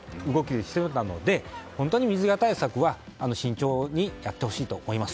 本当に水際対策は慎重にやってほしいと思います。